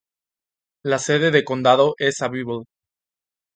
La sede de condado es Abbeville.